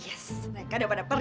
yes mereka udah pada pergi